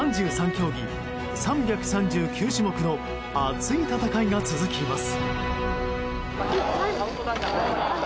競技３３９種目の熱い戦いが続きます。